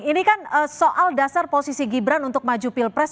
ini kan soal dasar posisi gibran untuk maju pilpres